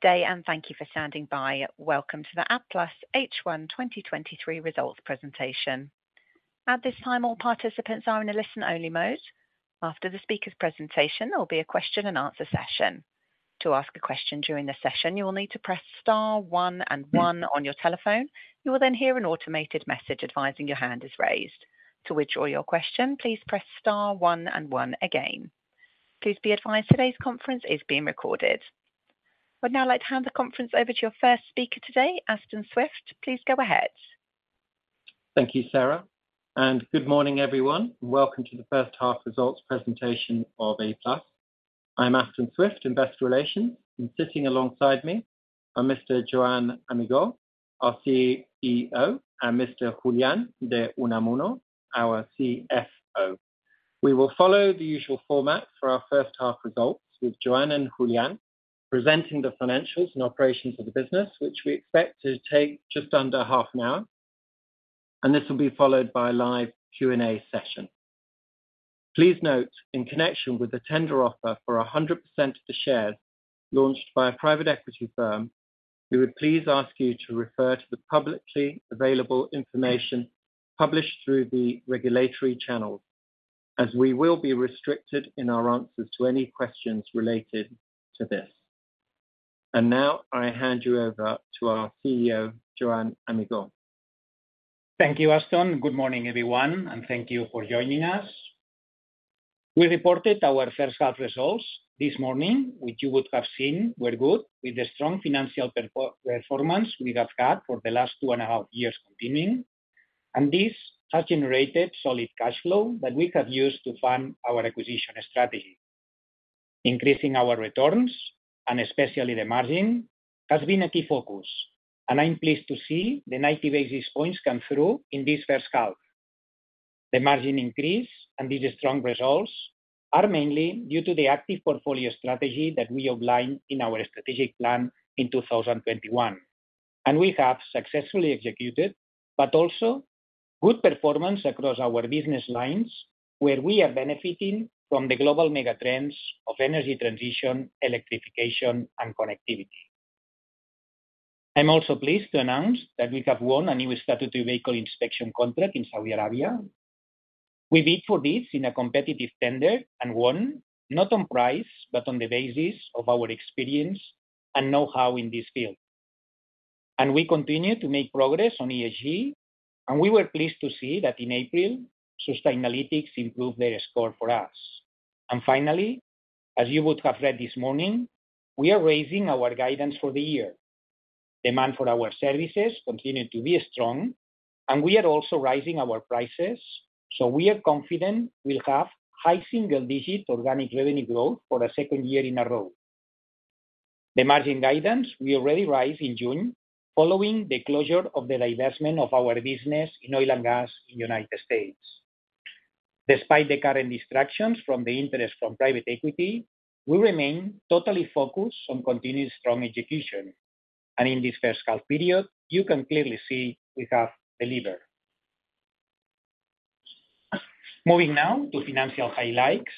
Good day, and thank you for standing by. Welcome to the Applus+ H1 2023 results presentation. At this time, all participants are in a listen-only mode. After the speaker's presentation, there will be a question and answer session. To ask a question during the session, you will need to press star one and one on your telephone. You will then hear an automated message advising your hand is raised. To withdraw your question, please press star one and one again. Please be advised, today's conference is being recorded. I'd now like to hand the conference over to your first speaker today, Aston Swift. Please go ahead. Thank you, Sarah. Good morning, everyone. Welcome to the First Half Results Presentation of Applus+. I'm Aston Swift in Investor Relations, and sitting alongside me are Mr. Joan Amigó, our CEO, and Mr. Julián de Unamuno, our CFO. We will follow the usual format for our first half results, with Joan and Julián presenting the financials and operations of the business, which we expect to take just under half an hour, and this will be followed by a live Q&A session. Please note, in connection with the tender offer for 100% of the shares launched by a private equity firm, we would please ask you to refer to the publicly available information published through the regulatory channel, as we will be restricted in our answers to any questions related to this. Now, I hand you over to our CEO, Joan Amigó. Thank you, Aston. Good morning, everyone, thank you for joining us. We reported our first half results this morning, which you would have seen were good, with a strong financial performance we have had for the last two and a half years continuing. This has generated solid cash flow that we have used to fund our acquisition strategy. Increasing our returns, especially the margin, has been a key focus, and I'm pleased to see the 90 basis points come through in this first half. The margin increase and these strong results are mainly due to the active portfolio strategy that we outlined in our strategic plan in 2021, we have successfully executed, also good performance across our business lines, where we are benefiting from the global mega trends of energy transition, electrification, and connectivity. I am also pleased to announce that we have won a new statutory vehicle inspection contract in Saudi Arabia. We bid for this in a competitive tender and won, not on price, but on the basis of our experience and know-how in this field. We continue to make progress on ESG, and we were pleased to see that in April, Sustainalytics improved their score for us. Finally, as you would have read this morning, we are raising our guidance for the year. Demand for our services continued to be strong, and we are also raising our prices, so we are confident we will have high single-digit organic revenue growth for a second year in a row. The margin guidance we already raised in June, following the closure of the divestment of our business in oil and gas in the United States. Despite the current distractions from the interest from private equity, we remain totally focused on continued strong execution, and in this first half period, you can clearly see we have delivered. Moving now to financial highlights.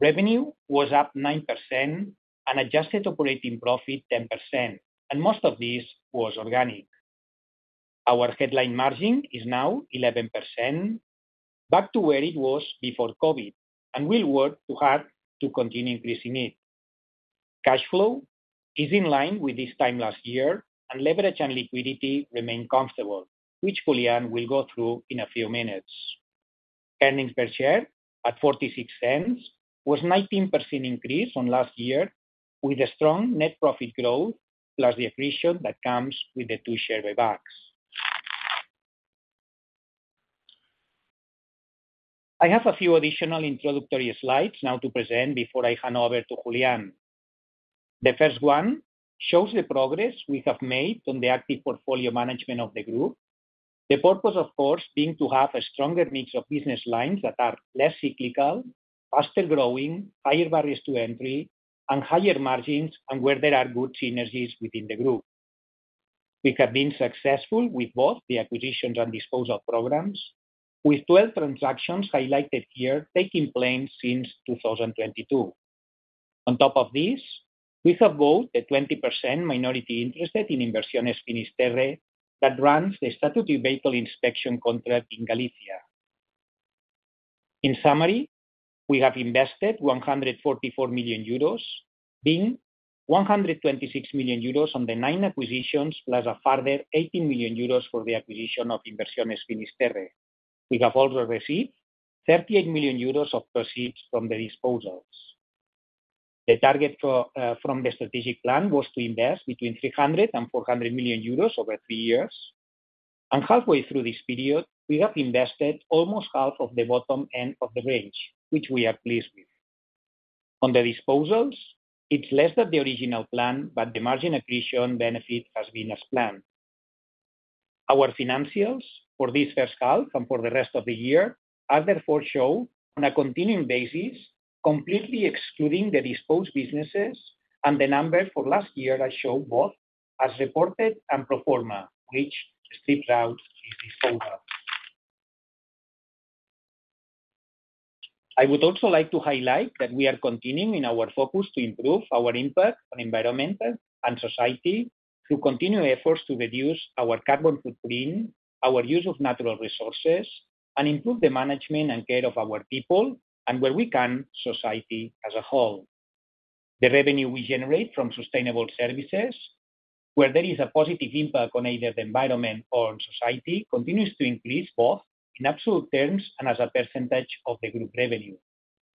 Revenue was up 9% and adjusted operating profit, 10%, and most of this was organic. Our headline margin is now 11%, back to where it was before COVID, and we'll work hard to continue increasing it. Cash flow is in line with this time last year, and leverage and liquidity remain comfortable, which Julián will go through in a few minutes. Earnings per share at 0.46 was 19% increase on last year, with a strong net profit growth, plus the accretion that comes with the two share buybacks. I have a few additional introductory slides now to present before I hand over to Julián. The first one shows the progress we have made on the active portfolio management of the group. The purpose, of course, being to have a stronger mix of business lines that are less cyclical, faster growing, higher barriers to entry, and higher margins, and where there are good synergies within the group. We have been successful with both the acquisitions and disposal programs, with 12 transactions highlighted here, taking place since 2022. On top of this, we have bought a 20% minority interest in Inversiones Finisterre that runs the statutory vehicle inspection contract in Galicia. In summary, we have invested 144 million euros, being 126 million euros on the nine acquisitions, plus a further 80 million euros for the acquisition of Inversiones Finisterre. We have also received 38 million euros of proceeds from the disposals. The target for from the strategic plan was to invest between 300 million-400 million euros over three years, and halfway through this period, we have invested almost half of the bottom end of the range, which we are pleased with. On the disposals, it's less than the original plan, but the margin accretion benefit has been as planned. Our financials for this first half and for the rest of the year are therefore shown on a continuing basis, completely excluding the disposed businesses and the numbers for last year that show both as reported and pro-forma, which strips out the disposals. I would also like to highlight that we are continuing in our focus to improve our impact on environmental and society, through continued efforts to reduce our carbon footprint, our use of natural resources, and improve the management and care of our people, and where we can, society as a whole. The revenue we generate from sustainable services, where there is a positive impact on either the environment or on society, continues to increase, both in absolute terms and as a percentage of the group revenue.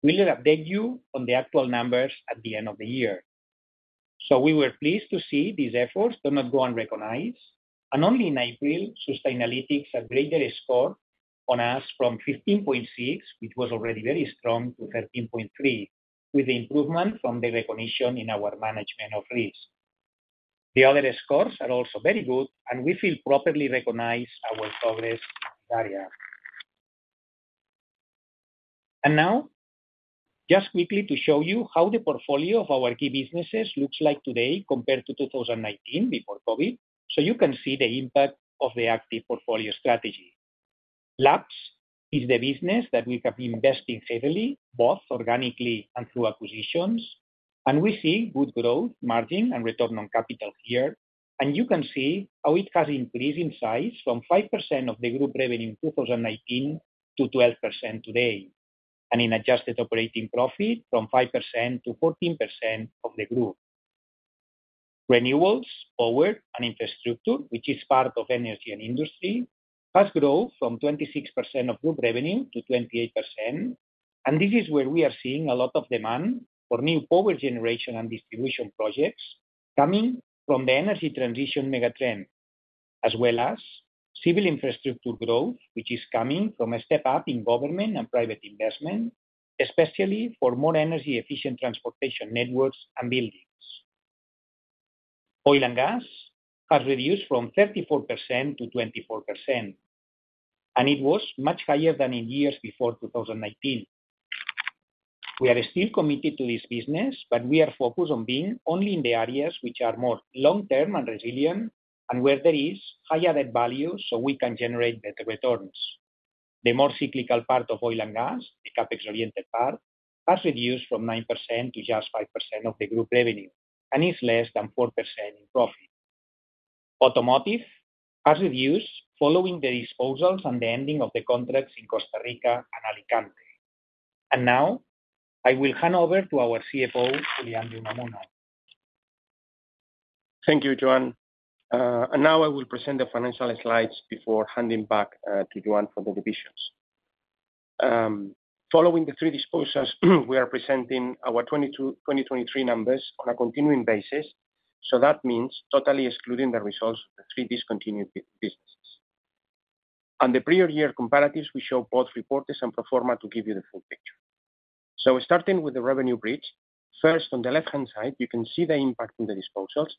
We will update you on the actual numbers at the end of the year. We were pleased to see these efforts do not go unrecognized, and only in April, Sustainalytics upgraded score on us from 15.6, which was already very strong, to 13.3, with improvement from the recognition in our management of risk. The other scores are also very good. We feel properly recognized our progress in the area. Now, just quickly to show you how the portfolio of our key businesses looks like today compared to 2019, before COVID. You can see the impact of the active portfolio strategy. Labs is the business that we have been investing heavily, both organically and through acquisitions. We see good growth, margin, and return on capital here. And you can see how it has increased in size from 5% of the group revenue in 2019 to 12% today, and in adjusted operating profit from 5%-14% of the group. Renewables, power, and infrastructure, which is part of energy and industry, has grown from 26% of group revenue to 28%. This is where we are seeing a lot of demand for new power generation and distribution projects coming from the energy transition megatrend, as well as civil infrastructure growth, which is coming from a step up in government and private investment, especially for more energy efficient transportation networks and buildings. Oil and gas has reduced from 34% to 24%, and it was much higher than in years before 2019. We are still committed to this business, but we are focused on being only in the areas which are more long-term and resilient, and where there is higher added value, so we can generate better returns. The more cyclical part of oil and gas, the CapEx-oriented part, has reduced from 9% to just 5% of the group revenue, and is less than 4% in profit. Automotive has reduced following the disposals and the ending of the contracts in Costa Rica and Alicante. Now, I will hand over to our CFO, Julián de Unamuno. Thank you, Joan. Now I will present the financial slides before handing back to Joan for the divisions. Following the three disposals, we are presenting our 2022, 2023 numbers on a continuing basis, so that means totally excluding the results of the three discontinued businesses. On the prior year comparatives, we show both reported and pro forma to give you the full picture. Starting with the revenue bridge. First, on the left-hand side, you can see the impact in the disposals,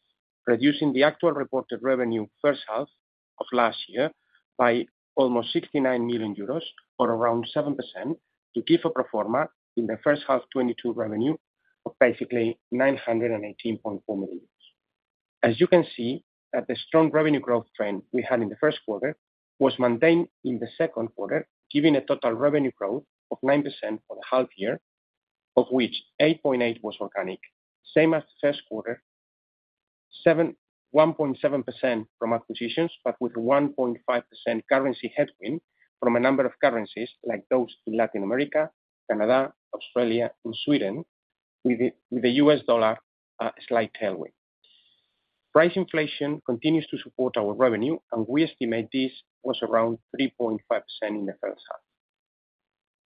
reducing the actual reported revenue first half of last year by almost 69 million euros or around 7%, to give a pro forma in the first half 2022 revenue of basically 918.4 million. As you can see, that the strong revenue growth trend we had in the first quarter was maintained in the second quarter, giving a total revenue growth of 9% for the half year, of which 8.8% was organic, same as the first quarter, 1.7% from acquisitions, but with 1.5% currency headwind from a number of currencies, like those in Latin America, Canada, Australia, and Sweden, with the US dollar, a slight tailwind. Price inflation continues to support our revenue, and we estimate this was around 3.5% in the first half.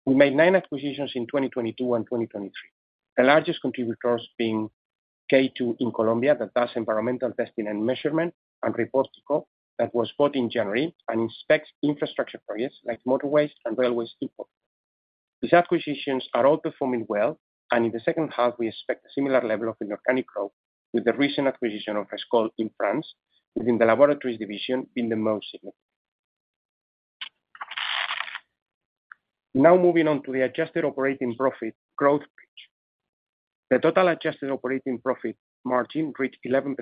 We made nine acquisitions in 2022 and 2023. The largest contributors being K2 in Colombia, that does environmental testing and measurement, and Riportico, that was bought in January, and inspects infrastructure projects like motorways and railway sleeper. These acquisitions are all performing well, and in the second half, we expect a similar level of the organic growth, with the recent acquisition of Rescoll in France, within the laboratories division, being the most significant. Now moving on to the adjusted operating profit growth bridge. The total adjusted operating profit margin reached 11%,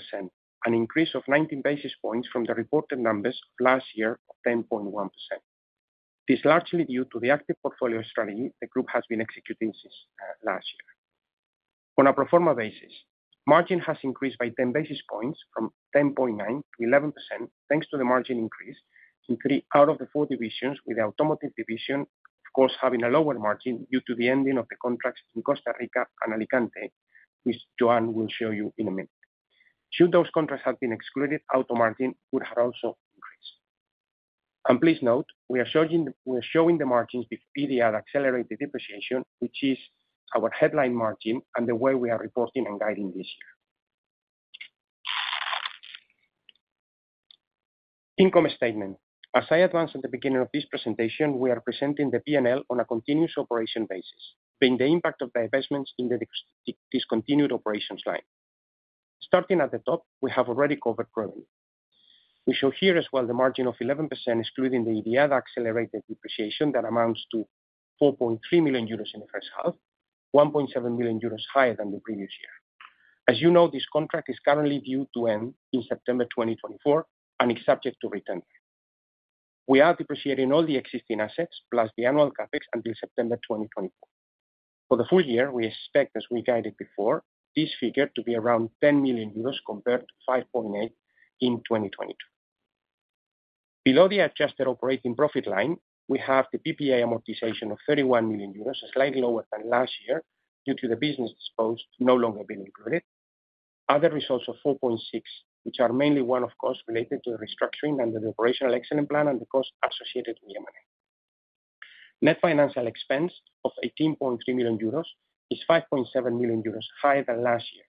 an increase of 19 basis points from the reported numbers of last year of 10.1%. This is largely due to the active portfolio strategy the group has been executing since last year. On a pro forma basis, margin has increased by 10 basis points from 10.9 to 11%, thanks to the margin increase in three out of the four divisions, with the Automotive division, of course, having a lower margin due to the ending of the contracts in Costa Rica and Alicante, which Joan will show you in a minute. Should those contracts have been excluded, auto margin would have also increased. Please note, we're showing the margins with IDIADA Accelerated Depreciation, which is our headline margin and the way we are reporting and guiding this year. Income statement, as I advanced at the beginning of this presentation, we are presenting the P&L on a continuous operation basis, being the impact of the investments in the discontinued operations line. Starting at the top, we have already covered revenue. We show here as well the margin of 11%, excluding the IDIADA Accelerated Depreciation, that amounts to 4.3 million euros in the first half, 1.7 million euros higher than the previous year. As you know, this contract is currently due to end in September 2024, and is subject to retention. We are depreciating all the existing assets, plus the annual CapEx until September 2025. For the full year, we expect, as we guided before, this figure to be around 10 million euros, compared to 5.8 in 2022. Below the adjusted operating profit line, we have the PPA amortization of 31 million euros, slightly lower than last year due to the business disposed no longer being included. Other results of 4.6 million, which are mainly one, of course, related to the restructuring and the operational excellence plan and the costs associated with the M&A. Net financial expense of 18.3 million euros is 5.7 million euros higher than last year,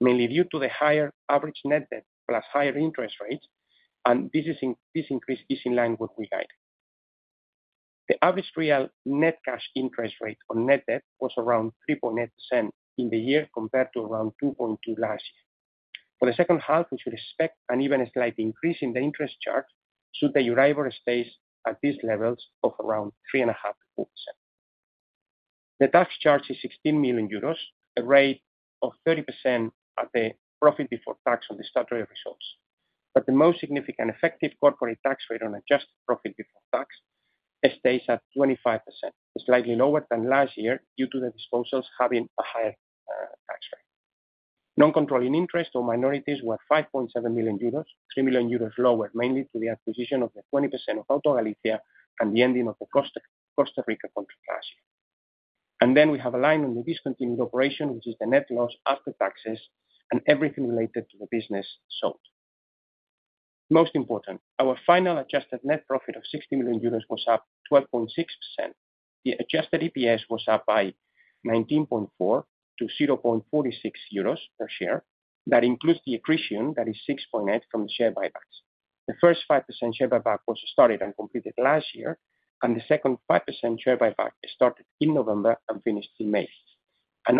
mainly due to the higher average net debt, plus higher interest rates, and this increase is in line with we guided. The average real net cash interest rate on net debt was around 3.8% in the year, compared to around 2.2% last year. For the second half, we should expect an even slight increase in the interest charge should the Euribor stays at these levels of around 3.5%-4%. The tax charge is 16 million euros, a rate of 30% at the profit before tax on the statutory results. The most significant effective corporate tax rate on adjusted profit before tax stays at 25%. It's slightly lower than last year due to the disposals having a higher tax rate. Non-controlling interest or minorities were 5.7 million euros, 3 million euros lower, mainly to the acquisition of the 20% of Auto Galicia and the ending of the Costa Rica contract. We have a line on the discontinued operation, which is the net loss after taxes and everything related to the business sold. Our final adjusted net profit of 60 million euros was up 12.6%. The adjusted EPS was up by 19.4% to 0.46 euros per share. That includes the accretion, that is 6.8%, from the share buybacks. The first 5% share buyback was started and completed last year. The second 5% share buyback started in November and finished in May.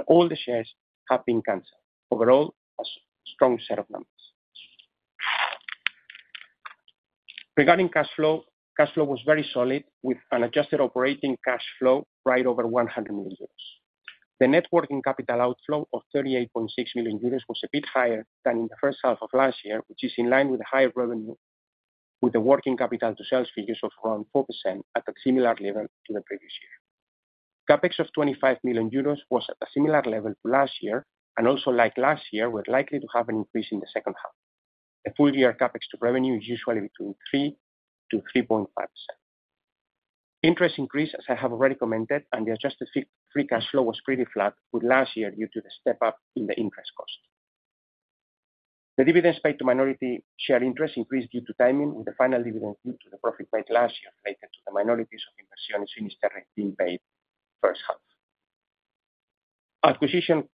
All the shares have been canceled. Overall, a strong set of numbers. Regarding cash flow, cash flow was very solid, with an adjusted operating cash flow right over 100 million euros. The net working capital outflow of 38.6 million euros was a bit higher than in the first half of last year, which is in line with the higher revenue, with the working capital to sales figures of around 4% at a similar level to the previous year. CapEx of 25 million euros was at a similar level to last year. Also, like last year, we're likely to have an increase in the second half. The full year CapEx to revenue is usually between 3%-3.5%. Interest increase, as I have already commented, the adjusted free cash flow was pretty flat with last year due to the step up in the interest cost. The dividends paid to minority share interest increased due to timing, with the final dividend due to the profit made last year related to the minorities of Inversiones Finisterre being paid first half. Acquisition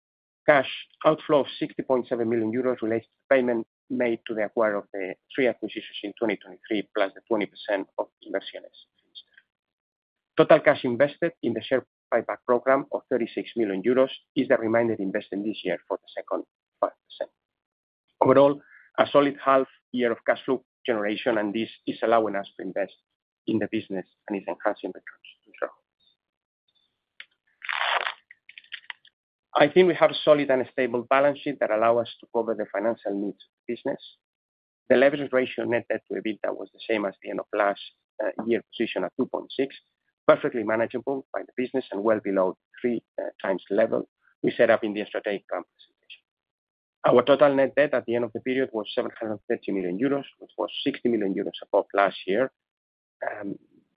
cash outflow of 60.7 million euros relates to payment made to the acquirer of the three acquisitions in 2023, plus the 20% of Inversiones Finisterre. Total cash invested in the share buyback program of 36 million euros is the remaining investment this year for the second 5%. Overall, a solid half year of cash flow generation, and this is allowing us to invest in the business and is enhancing returns in total. I think we have a solid and a stable balance sheet that allow us to cover the financial needs of the business. The leverage ratio, net debt to EBITDA, was the same as the end of last year position at 2.6x, perfectly manageable by the business and well below the 3x level we set up in the strategic presentation. Our total net debt at the end of the period was 730 million euros, which was 60 million euros above last year,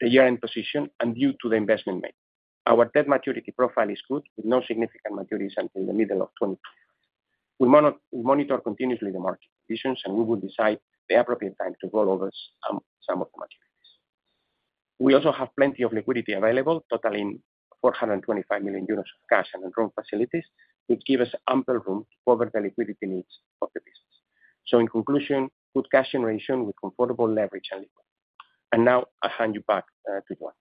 the year-end position, and due to the investment made. Our debt maturity profile is good, with no significant maturities until the middle of 2023. We monitor continuously the market conditions, and we will decide the appropriate time to roll over some of the maturities. We also have plenty of liquidity available, totaling 425 million euros of cash and loan facilities, which give us ample room to cover the liquidity needs of the business. In conclusion, good cash generation with comfortable leverage and liquidity. Now I'll hand you back to Joan.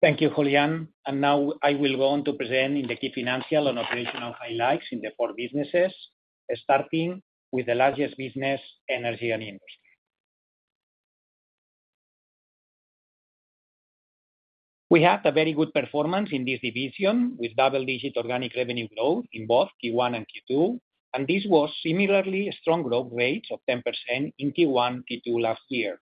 Thank you, Julián. Now I will go on to present in the key financial and operational highlights in the four businesses, starting with the largest business, Energy and Industry. We had a very good performance in this division, with double-digit organic revenue growth in both Q1 and Q2, and this was similarly a strong growth rate of 10% in Q1 and Q2 last year.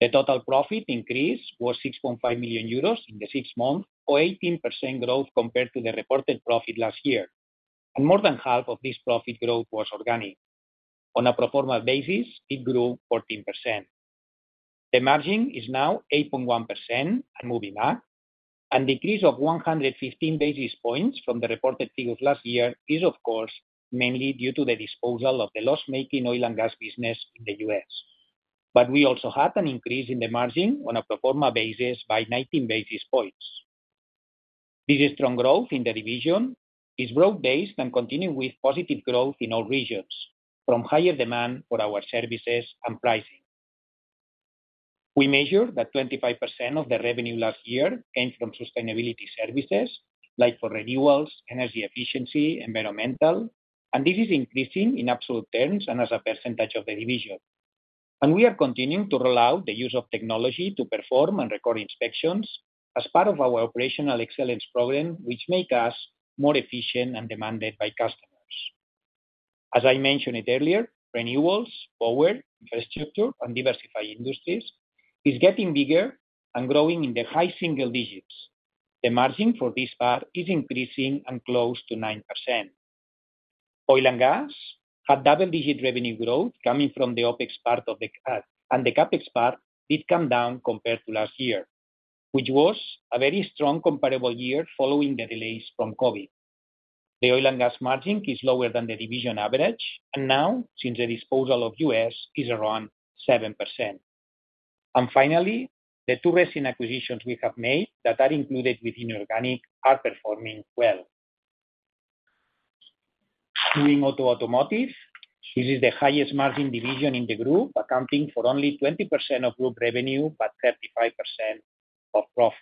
The total profit increase was 6.5 million euros in the six months, or 18% growth compared to the reported profit last year, and more than half of this profit growth was organic. On a pro forma basis, it grew 14%. The margin is now 8.1% and moving up. An increase of 115 basis points from the reported figures last year is, of course, mainly due to the disposal of the loss-making Oil and gas business in the U.S. We also had an increase in the margin on a pro forma basis by 19 basis points. This strong growth in the division is broad-based and continuing with positive growth in all regions, from higher demand for our services and pricing. We measure that 25% of the revenue last year came from sustainability services, like for renewals, energy efficiency, environmental, and this is increasing in absolute terms and as a percentage of the division. We are continuing to roll out the use of technology to perform and record inspections. As part of our operational excellence program, which make us more efficient and demanded by customers. As I mentioned it earlier, renewals, power, infrastructure, and diversify industries is getting bigger and growing in the high single digits. The margin for this part is increasing and close to 9%. Oil and gas had double-digit revenue growth coming from the OpEx part and the CapEx part did come down compared to last year, which was a very strong comparable year following the delays from COVID. The Oil and gas margin is lower than the division average, and now, since the disposal of U.S., is around 7%. Fnally, the two recent acquisitions we have made that are included within organic are performing well. Doing Automotive, this is the highest margin division in the group, accounting for only 20% of group revenue, but 35% of profit.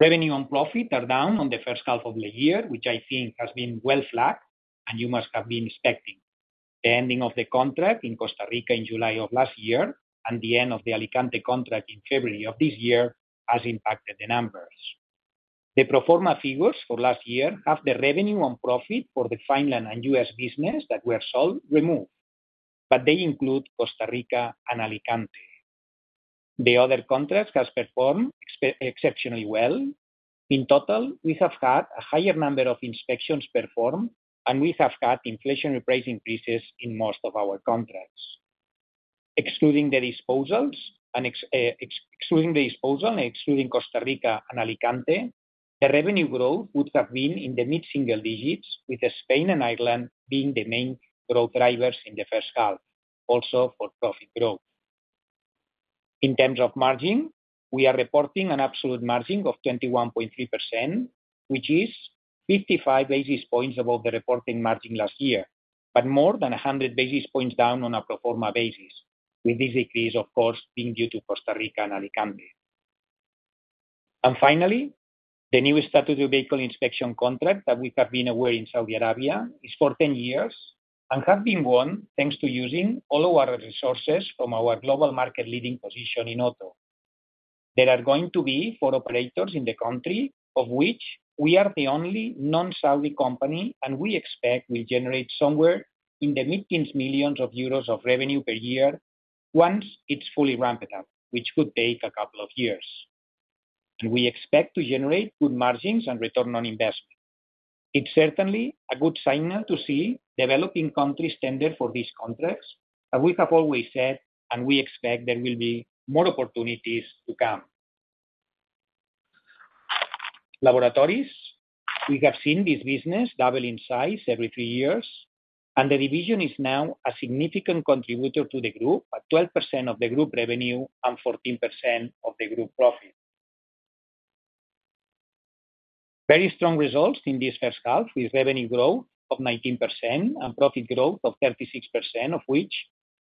Revenue and profit are down on the first half of the year, which I think has been well flagged, and you must have been expecting. The ending of the contract in Costa Rica in July of last year, and the end of the Alicante contract in February of this year, has impacted the numbers. The pro forma figures for last year have the revenue and profit for the Finland and U.S. business that were sold, removed, but they include Costa Rica and Alicante. The other contracts has performed exceptionally well. In total, we have had a higher number of inspections performed, and we have had inflationary price increases in most of our contracts. Excluding the disposals and excluding the disposal, excluding Costa Rica and Alicante, the revenue growth would have been in the mid-single digits, with Spain and Ireland being the main growth drivers in the first half, also for profit growth. In terms of margin, we are reporting an absolute margin of 21.3%, which is 55 basis points above the reporting margin last year, but more than 100 basis points down on a pro forma basis, with this decrease, of course, being due to Costa Rica and Alicante. Finally, the new statutory vehicle inspection contract that we have been awarded in Saudi Arabia is for 10 years, and have been won thanks to using all of our resources from our global market leading position in Auto. There are going to be four operators in the country, of which we are the only non-Saudi company, and we expect we generate somewhere in the mid-tens millions of euros of revenue per year once it's fully ramped up, which could take a couple of years. We expect to generate good margins and return on investment. It's certainly a good signal to see developing countries tender for these contracts, as we have always said, and we expect there will be more opportunities to come. Laboratories, we have seen this business double in size every three years, and the division is now a significant contributor to the group, at 12% of the group revenue and 14% of the group profit. Very strong results in this first half, with revenue growth of 19% and profit growth of 36%, of which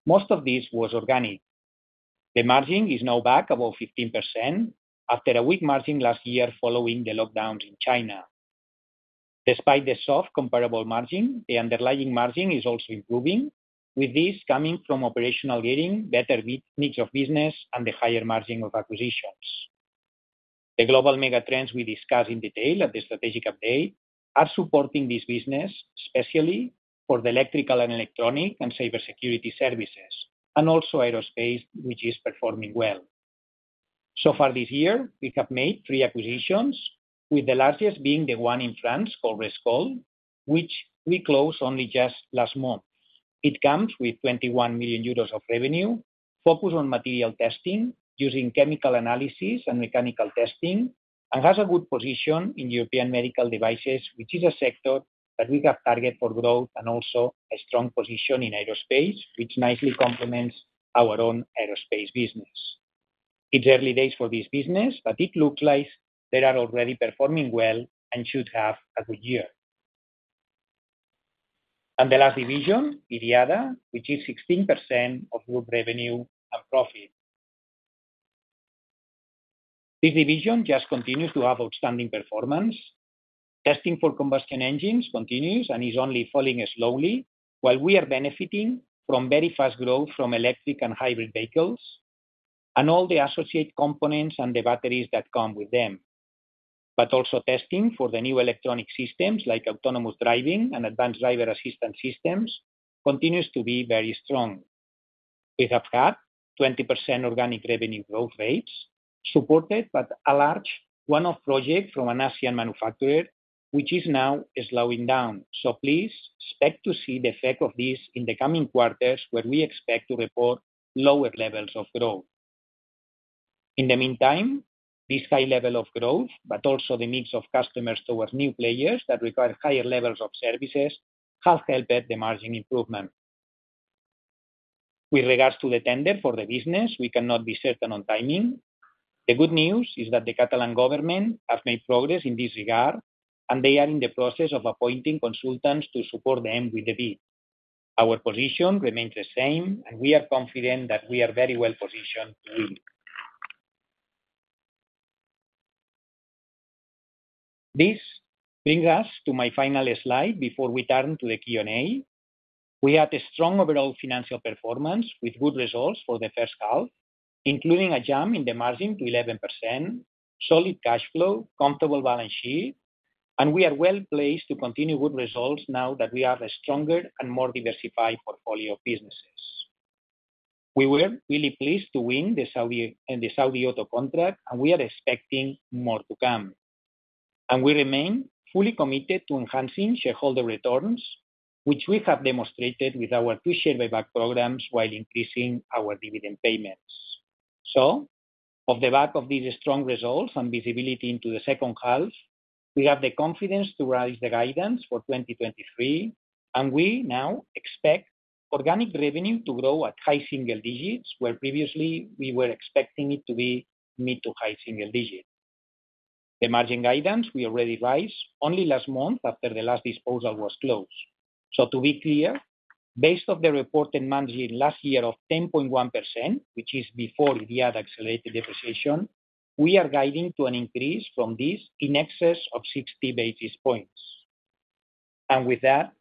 most of this was organic. The margin is now back above 15% after a weak margin last year following the lockdowns in China. Despite the soft comparable margin, the underlying margin is also improving, with this coming from operational gearing, better mix of business, and the higher margin of acquisitions. The global megatrends we discussed in detail at the strategic update are supporting this business, especially for the Electrical & Electronic and Cybersecurity services, and also Aerospace, which is performing well. So far this year, we have made three acquisitions, with the largest being the one in France called Rescoll, which we closed only just last month. It comes with 21 million euros of revenue, focused on material testing using chemical analysis and mechanical testing, and has a good position in European medical devices, which is a sector that we have targeted for growth, also a strong position in aerospace, which nicely complements our own Aerospace business. It's early days for this business, but it looks like they are already performing well and should have a good year. The last division, IDIADA, which is 16% of group revenue and profit. This division just continues to have outstanding performance. Testing for combustion engines continues and is only falling slowly, while we are benefiting from very fast growth from electric and hybrid vehicles, and all the associate components and the batteries that come with them. Also testing for the new electronic systems, like autonomous driving and advanced driver assistance systems, continues to be very strong. We have had 20% organic revenue growth rates, supported by a large one-off project from an ASEAN manufacturer, which is now slowing down. Please expect to see the effect of this in the coming quarters, where we expect to report lower levels of growth. In the meantime, this high level of growth, but also the mix of customers towards new players that require higher levels of services, have helped the margin improvement. With regards to the tender for the business, we cannot be certain on timing. The good news is that the Catalan government has made progress in this regard, and they are in the process of appointing consultants to support them with the bid. Our position remains the same, and we are confident that we are very well positioned to win. This brings us to my final slide before we turn to the Q&A. We had a strong overall financial performance with good results for the first half, including a jump in the margin to 11%, solid cash flow, comfortable balance sheet, and we are well-placed to continue good results now that we have a stronger and more diversified portfolio of businesses. We were really pleased to win the Saudi Auto contract, and we are expecting more to come. We remain fully committed to enhancing shareholder returns, which we have demonstrated with our two share buyback programs while increasing our dividend payments. Off the back of these strong results and visibility into the second half, we have the confidence to raise the guidance for 2023, and we now expect organic revenue to grow at high single digits, where previously we were expecting it to be mid to high single digits. The margin guidance we already raised only last month after the last disposal was closed. To be clear, based off the reported margin last year of 10.1%, which is before we had accelerated depreciation, we are guiding to an increase from this in excess of 60 basis points. With that,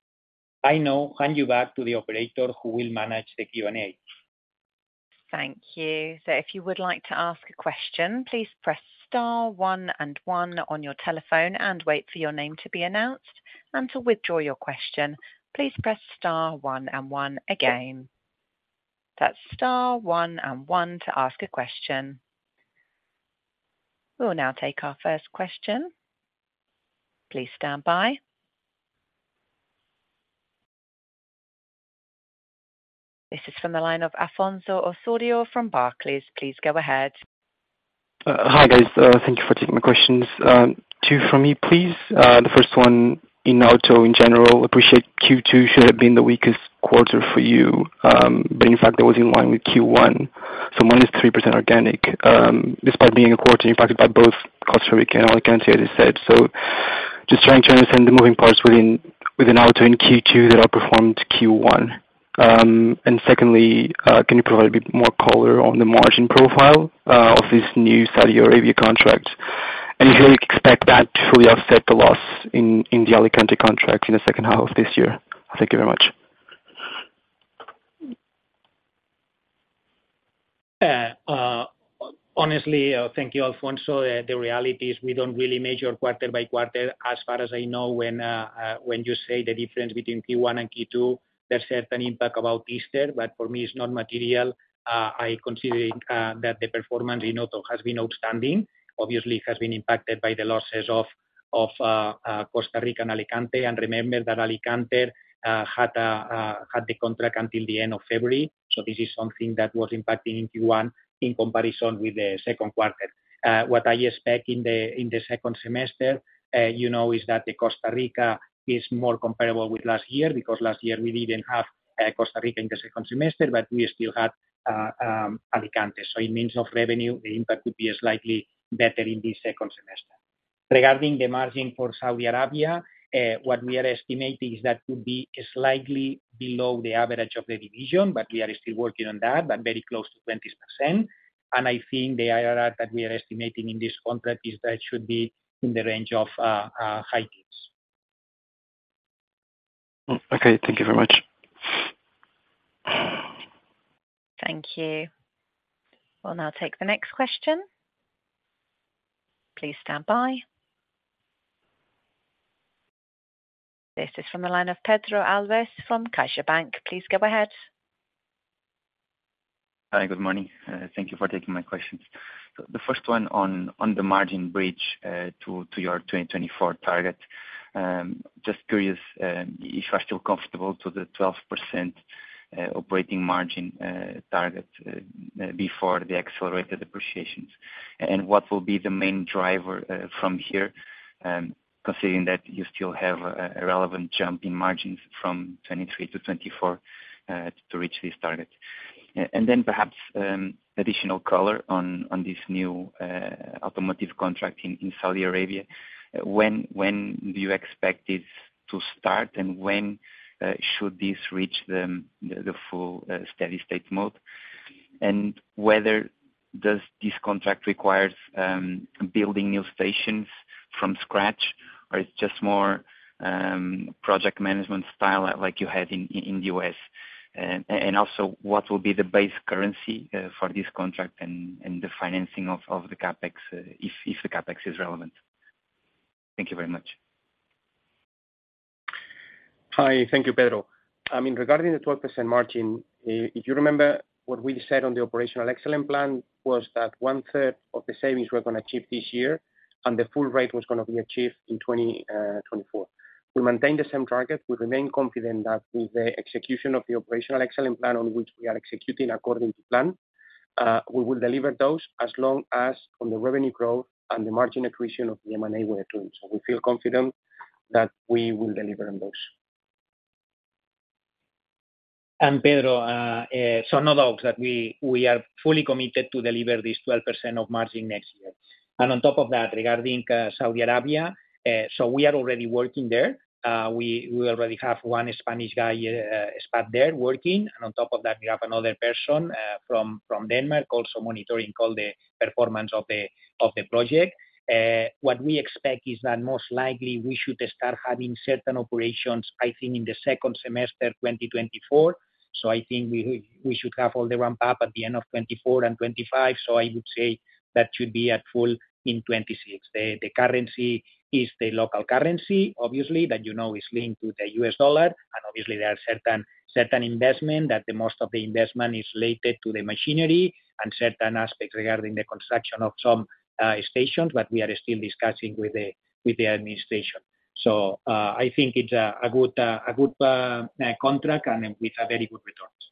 I now hand you back to the operator, who will manage the Q&A. Thank you. If you would like to ask a question, please press star one and one on your telephone and wait for your name to be announced. To withdraw your question, please press star one and one again. That's star one and one to ask a question. We will now take our first question. Please stand by. This is from the line of Afonso Osório from Barclays. Please go ahead. Hi, guys. Thank you for taking my questions. Two for me, please. The first one, in Auto in general, appreciate Q2 should have been the weakest quarter for you, but in fact, it was in line with Q1, so -3% organic, despite being a quarter impacted by both Costa Rica and Alicante, as you said. Just trying to understand the moving parts within Auto in Q2 that outperformed Q1. Secondly, can you provide a bit more color on the margin profile of this new Saudi Arabia contract? If you expect that to fully offset the loss in the Alicante contract in the second half of this year? Thank you very much. Honestly, thank you, Afonso. The reality is we don't really measure quarter by quarter, as far as I know, when you say the difference between Q1 and Q2, there's certain impact about Easter, but for me, it's not material. I consider that the performance in auto has been outstanding. Obviously, it has been impacted by the losses of Costa Rica and Alicante, and remember that Alicante had the contract until the end of February. This is something that was impacting in Q1 in comparison with the second quarter. What I expect in the second semester, you know, is that the Costa Rica is more comparable with last year, because last year we didn't have Costa Rica in the second semester, but we still had Alicante. In means of revenue, the impact would be slightly better in the second semester. Regarding the margin for Saudi Arabia, what we are estimating is that will be slightly below the average of the division, but we are still working on that, but very close to 20%. I think the IRR that we are estimating in this contract is that it should be in the range of high digits. Okay, thank you very much. Thank you. We'll now take the next question. Please stand by. This is from the line of Pedro Alves from CaixaBank. Please go ahead. Hi, good morning. Thank you for taking my questions. The first one on the margin bridge to your 2024 target. Just curious if you are still comfortable to the 12% operating margin target before the accelerated depreciations? What will be the main driver from here, considering that you still have a relevant jump in margins from 2023 to 2024 to reach this target? Then perhaps additional color on this new automotive contract in Saudi Arabia. When do you expect this to start, and when should this reach the full steady state mode? Whether does this contract requires building new stations from scratch, or it's just more project management style like you had in the U.S.? Also, what will be the base currency for this contract and the financing of the CapEx, if the CapEx is relevant? Thank you very much. Hi. Thank you, Pedro. I mean, regarding the 12% margin, if you remember what we said on the operational excellence plan, was that 1/3 of the savings we're gonna achieve this year, and the full rate was gonna be achieved in 2024. We maintain the same target. We remain confident that with the execution of the operational excellence plan on which we are executing according to plan, we will deliver those as long as on the revenue growth and the margin accretion of the M&A we are doing. We feel confident that we will deliver on those. Pedro, no doubts that we are fully committed to deliver this 12% of margin next year. On top of that, regarding Saudi Arabia, we are already working there. We already have one Spanish guy spot there working, and on top of that, we have another person from Denmark also monitoring all the performance of the project. What we expect is that most likely we should start having certain operations, I think, in the second semester, 2024. I think we should have all the ramp up at the end of 2024 and 2025. I would say that should be at full in 2026. The currency is the local currency, obviously, that, you know, is linked to the US dollar. Obviously, there are certain investment, that the most of the investment is related to the machinery and certain aspects regarding the construction of some stations, but we are still discussing with the administration. I think it's a good contract, and with a very good returns.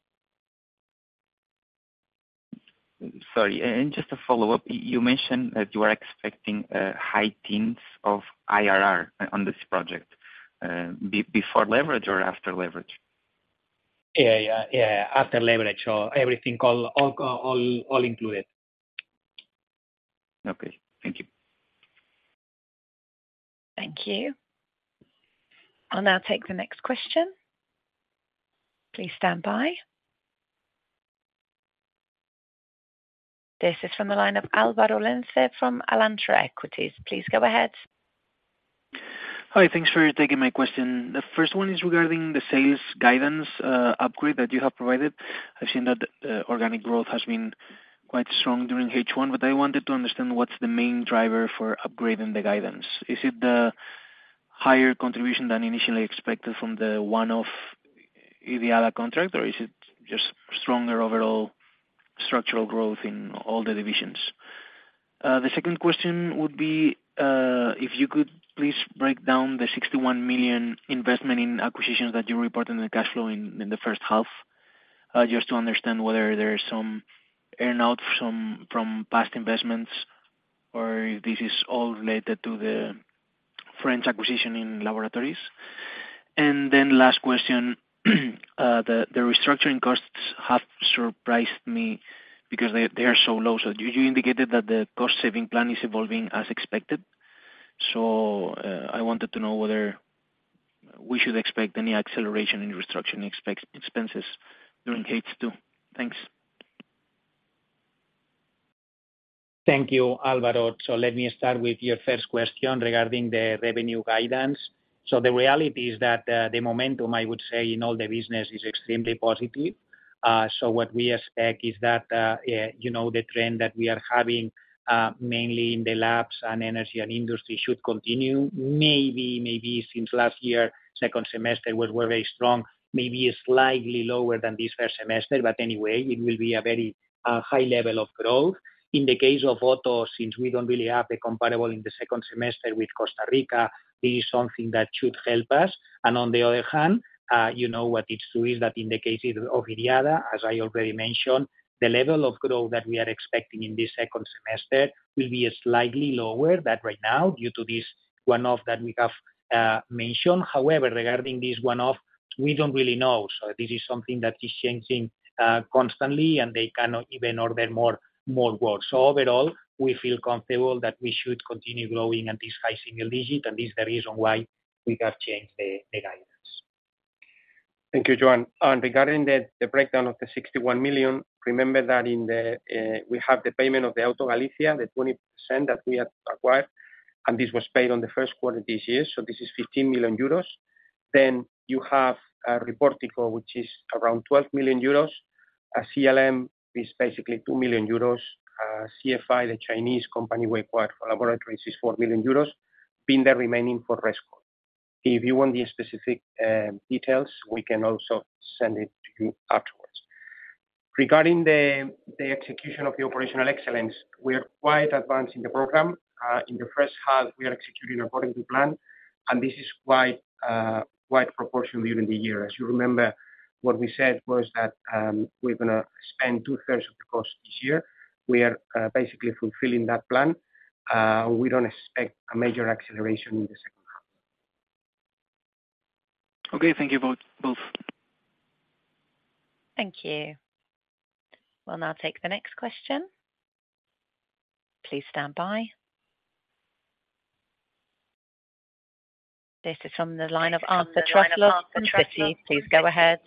Sorry, just a follow-up. You mentioned that you are expecting high teens of IRR on this project, before leverage or after leverage? Yeah, yeah, after leverage. Everything, all included. Okay. Thank you. Thank you. I'll now take the next question. Please stand by. This is from the line of Álvaro Lenze from Alantra Equities. Please go ahead. Hi, thanks for taking my question. The first one is regarding the sales guidance, upgrade that you have provided. I've seen that organic growth has been quite strong during H1, but I wanted to understand what's the main driver for upgrading the guidance. Is it the higher contribution than initially expected from the one-off IDIADA contract, or is it just stronger overall structural growth in all the divisions? The second question would be, if you could please break down the 61 million investment in acquisitions that you report in the cash flow in the first half, just to understand whether there is some earn-out from past investments or if this is all related to the French acquisition in laboratories. Last question, the restructuring costs have surprised me because they are so low. You indicated that the cost saving plan is evolving as expected. I wanted to know whether we should expect any acceleration in restructuring expenses during H2. Thanks. Thank you, Álvaro. Let me start with your first question regarding the revenue guidance. The reality is that the momentum, I would say, in all the business is extremely positive. What we expect is that, you know, the trend that we are having, mainly in the Labs and Energy and Industry should continue. Maybe since last year, second semester, was very strong, maybe slightly lower than this first semester, but anyway, it will be a very high level of growth. In the case of Auto, since we don't really have a comparable in the second semester with Costa Rica, this is something that should help us. On the other hand, you know what, it's true, is that in the case of IDIADA, as I already mentioned, the level of growth that we are expecting in this second semester will be slightly lower than right now due to this one-off that we have mentioned. However, regarding this one-off, we don't really know. This is something that is changing constantly, and they cannot even order more work. Overall, we feel comfortable that we should continue growing at this high single digit, and this is the reason why we have changed the guidance. Thank you, Joan. Regarding the breakdown of the 61 million, remember that in the we have the payment of the Auto Galicia, the 20% that we have acquired, and this was paid on the first quarter this year, this is 15 million euros. You have, Riportico, which is around 12 million euros. CLM is basically 2 million euros. CFI, the Chinese company we acquired for laboratories, is 4 million euros, being the remaining for Rescoll. If you want the specific details, we can also send it to you afterwards. Regarding the execution of the operational excellence, we are quite advanced in the program. In the first half, we are executing according to plan, and this is quite proportionally during the year. As you remember, what we said was that, we're going to spend 2/3 of the cost this year. We are basically fulfilling that plan. We don't expect a major acceleration in the second half. Okay. Thank you both. Thank you. We'll now take the next question. Please stand by. This is from the line of Arthur Truslove from Citi. Please go ahead.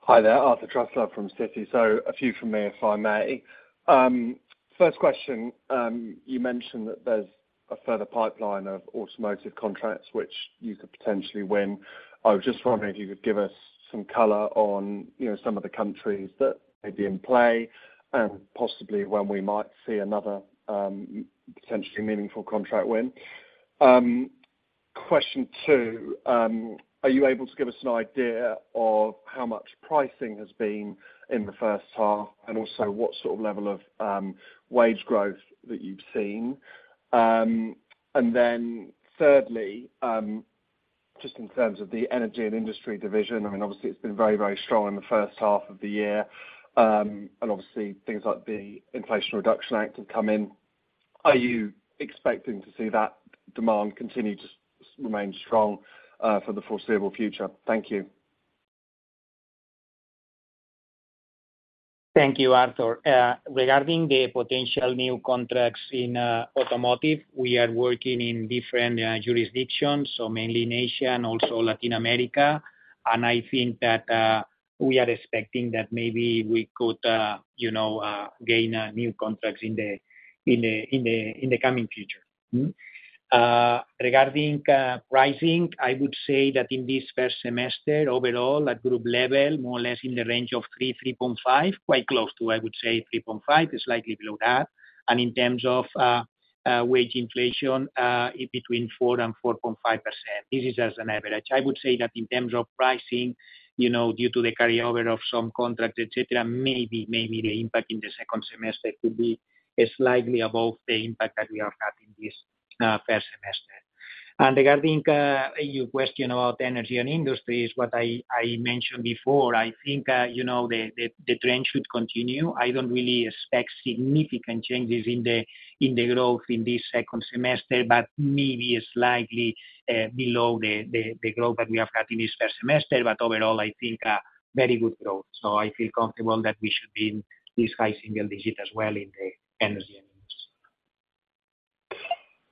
Hi there, Arthur Truslove from Citi. A few from me, if I may. First question, you mentioned that there's a further pipeline of automotive contracts, which you could potentially win. I was just wondering if you could give us some color on, you know, some of the countries that may be in play and possibly when we might see another, potentially meaningful contract win. Question two, are you able to give us an idea of how much pricing has been in the first half, and also what sort of level of wage growth that you've seen? Thirdly, just in terms of the Energy and Industry division, I mean, obviously, it's been very, very strong in the first half of the year, and obviously things like the Inflation Reduction Act have come in.... Are you expecting to see that demand continue to remain strong for the foreseeable future? Thank you. Thank you, Arthur. Regarding the potential new contracts in Automotive, we are working in different jurisdictions, so mainly Asia and also Latin America. I think that we are expecting that maybe we could, you know, gain new contracts in the coming future. Regarding pricing, I would say that in this first semester, overall, at group level, more or less in the range of 3%-3.5%, quite close to, I would say 3.5%, slightly below that. In terms of wage inflation, between 4% and 4.5%. This is as an average. I would say that in terms of pricing, you know, due to the carryover of some contracts, et cetera, maybe the impact in the second semester could be slightly above the impact that we have had in this first semester. Regarding your question about Energy and Industries, what I mentioned before, I think, you know, the trend should continue. I don't really expect significant changes in the growth in this second semester, but maybe slightly below the growth that we have had in this first semester. Overall, I think very good growth. I feel comfortable that we should be in this high single digit as well in the Energy and Industry.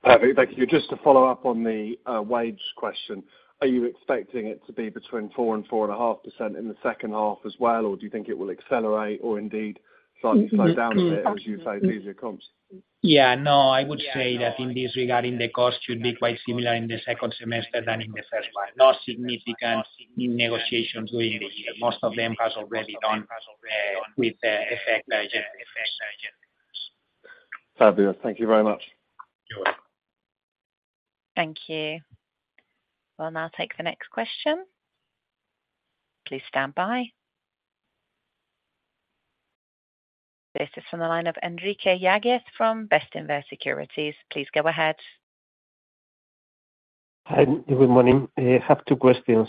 Perfect. Thank you. Just to follow up on the wage question, are you expecting it to be between 4% and 4.5% in the second half as well, or do you think it will accelerate or indeed slightly slow down a bit, as you say, easier comps? I would say that in this regarding, the cost should be quite similar in the second semester than in the first one. Not significant in negotiations during the year. Most of them has already done with the effect. Fabulous. Thank you very much. You're welcome. Thank you. We'll now take the next question. Please stand by. This is from the line of Enrique Yáguez from Bestinver Securities. Please go ahead. Hi, good morning. I have two questions.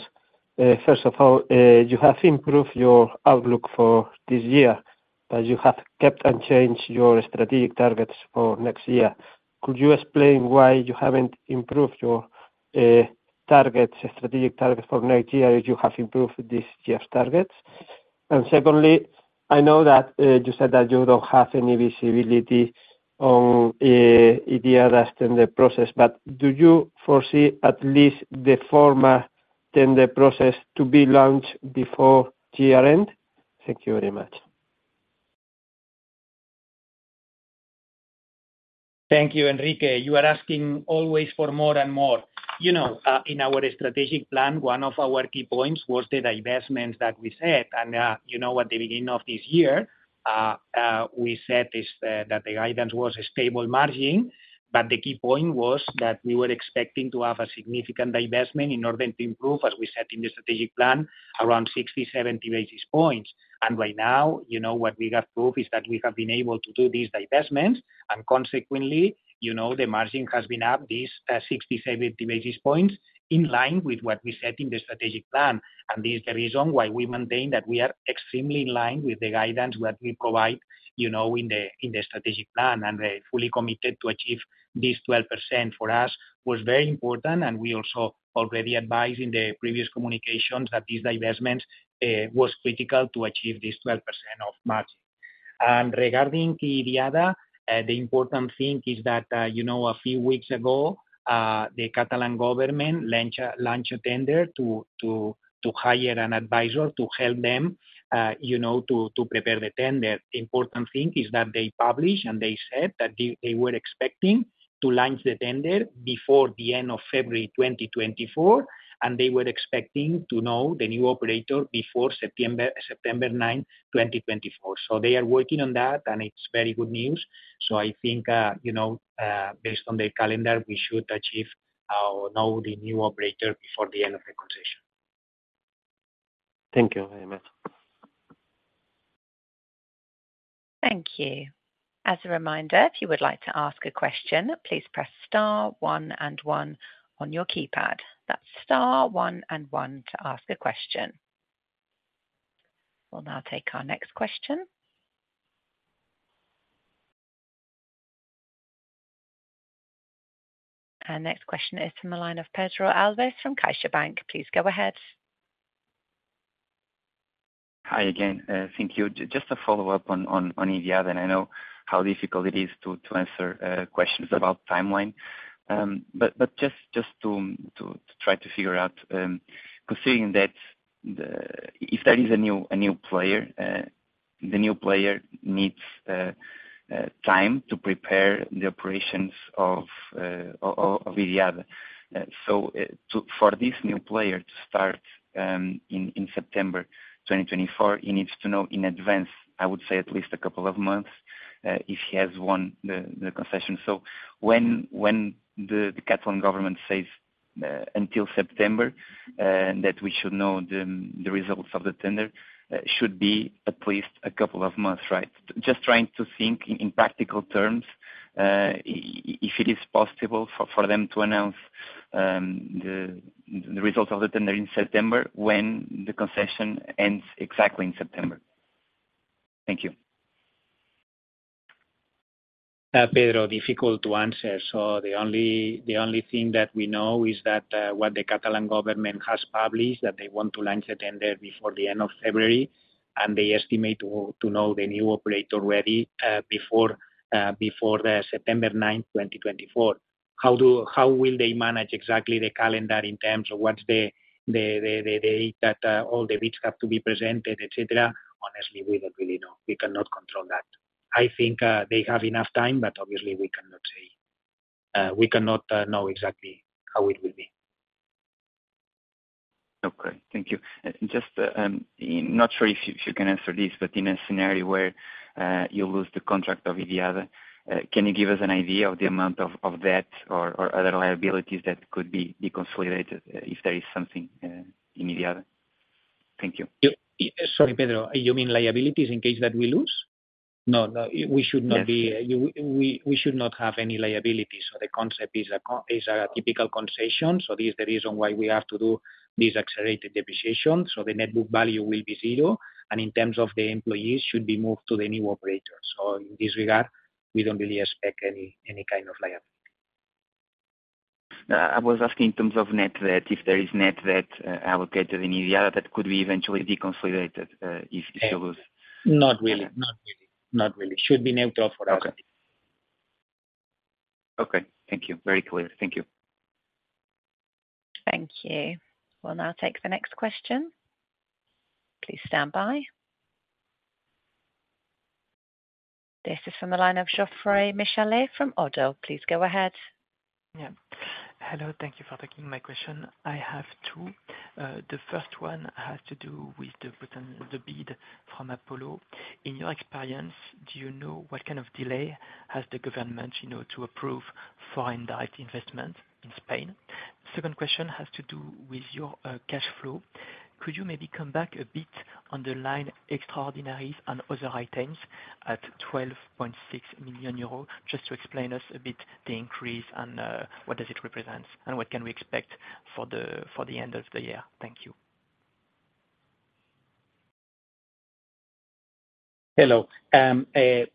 First of all, you have improved your outlook for this year, but you have kept unchanged your strategic targets for next year. Could you explain why you haven't improved your targets, strategic targets for next year, as you have improved this year's targets? Secondly, I know that you said that you don't have any visibility on IDIADA tender process, but do you foresee at least the former tender process to be launched before year end? Thank you very much. Thank you, Enrique. You are asking always for more and more. You know, in our strategic plan, one of our key points was the divestments that we said. You know, at the beginning of this year, we said this, that the guidance was a stable margin, but the key point was that we were expecting to have a significant divestment in order to improve, as we said in the strategic plan, around 60-70 basis points. Right now, you know, what we have proved is that we have been able to do these divestments, and consequently, you know, the margin has been up these 60-70 basis points, in line with what we said in the strategic plan. This is the reason why we maintain that we are extremely in line with the guidance that we provide, you know, in the strategic plan, and we're fully committed to achieve this 12%. For us, was very important, and we also already advised in the previous communications that these divestments was critical to achieve this 12% of margin. Regarding IDIADA, the important thing is that, you know, a few weeks ago, the Catalan government launched a tender to hire an advisor to help them, you know, to prepare the tender. The important thing is that they published, and they said that they were expecting to launch the tender before the end of February 2024, and they were expecting to know the new operator before September 9, 2024. They are working on that, and it's very good news. I think, you know, based on the calendar, we should achieve our new operator before the end of the concession. Thank you very much. Thank you. As a reminder, if you would like to ask a question, please press star one and one on your keypad. That's star one and one to ask a question. We'll now take our next question. Our next question is from the line of Pedro Alves from CaixaBank. Please go ahead. Hi again. Thank you. Just to follow up on IDIADA, I know how difficult it is to answer questions about timeline. Just to try to figure out, considering that if there is a new player, the new player needs time to prepare the operations of IDIADA. For this new player to start in September 2024, he needs to know in advance, I would say at least a couple of months, if he has won the concession. When the Catalan government says until September that we should know the results of the tender, should be at least a couple of months, right? Just trying to think in practical terms, if it is possible for them to announce the results of the tender in September, when the concession ends exactly in September? Thank you. Pedro, difficult to answer. The only thing that we know is that what the Catalan government has published, that they want to launch the tender before the end of February, and they estimate to know the new operator ready before September 9, 2024. How will they manage exactly the calendar in terms of what's the date that all the bids have to be presented, et cetera? Honestly, we don't really know. We cannot control that. I think they have enough time, but obviously we cannot say we cannot know exactly how it will be. Okay, thank you. Just, not sure if you can answer this, but in a scenario where, you lose the contract of IDIADA, can you give us an idea of the amount of debt or other liabilities that could be deconsolidated, if there is something in IDIADA? Thank you. Sorry, Pedro, you mean liabilities in case that we lose? No, no, we should not. Yes. We should not have any liabilities. The concept is a typical concession. This is the reason why we have to do this accelerated depreciation, so the net book value will be zero. In terms of the employees, should be moved to the new operator. In this regard, we don't really expect any kind of liability. I was asking in terms of net debt, if there is net debt, allocated in IDIADA, that could be eventually deconsolidated, if it was. Not really. Not really. Should be neutral for us. Okay. Okay, thank you. Very clear. Thank you. Thank you. We'll now take the next question. Please stand by. This is from the line of Geoffroy MICHALET from Oddo. Please go ahead. Yeah. Hello, thank you for taking my question. I have two. The first one has to do with the potential, the bid from Apollo. In your experience, do you know what kind of delay has the government, you know, to approve foreign direct investment in Spain? Second question has to do with your cash flow. Could you maybe come back a bit on the line extraordinaries and other items at 12.6 million euros, just to explain us a bit the increase and what does it represent, and what can we expect for the end of the year? Thank you. Hello.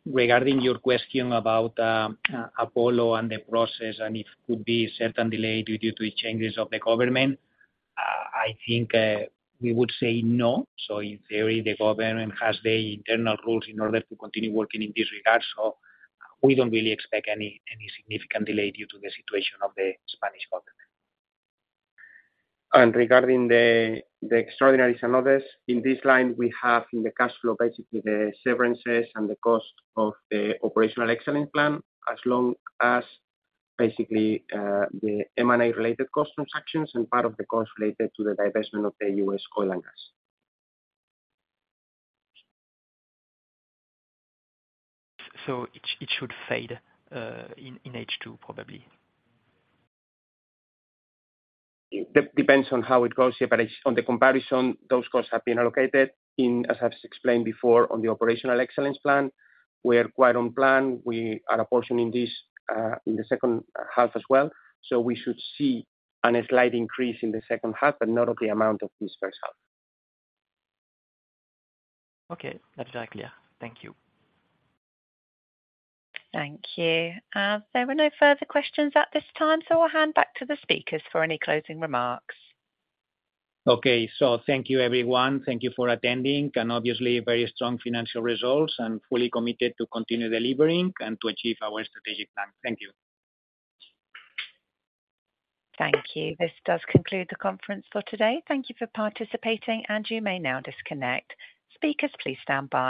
Regarding your question about Apollo and the process, and if could be certain delay due to the changes of the government, I think we would say no. In theory, the government has the internal rules in order to continue working in this regard, we don't really expect any significant delay due to the situation of the Spanish government. Regarding the extraordinaries and others, in this line, we have in the cash flow, basically the severances and the cost of the operational excellence plan, as long as basically the M&A-related cost from sections and part of the cost related to the divestment of the U.S. Oil and gas. It should fade, in H2, probably? Depends on how it goes, yeah, but it's on the comparison, those costs have been allocated. As I've explained before, on the operational excellence plan, we are quite on plan. We are apportioning this in the second half as well. We should see a slight increase in the second half. Not of the amount of this first half. Okay. That's very clear. Thank you. Thank you. There were no further questions at this time, so I'll hand back to the speakers for any closing remarks. Okay. Thank you, everyone. Thank you for attending, and obviously, very strong financial results, and fully committed to continue delivering and to achieve our strategic plan. Thank you. Thank you. This does conclude the conference for today. Thank you for participating, and you may now disconnect. Speakers, please stand by.